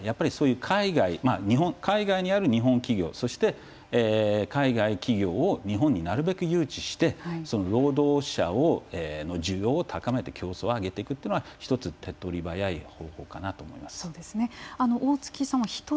だから海外にある日本企業そして、海外企業を日本になるべく誘致して労働者の需要を高めて競争を上げていくというのは１つ、手っ取り早い方法かなと思います。